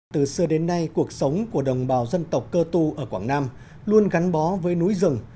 từ xưa đến nay cuộc sống của đồng bào dân tộc cơ tu ở quảng nam luôn gắn bó với núi rừng